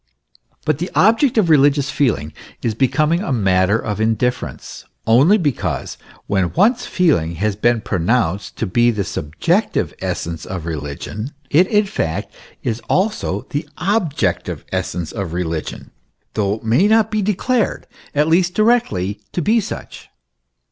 But the object of religious feeling is become a matter of indifference, only because when once feeling has been pronounced to be the subjective essence of religion, it in fact is also the objective essence of religion, though it may not be declared, at least directly, to be such.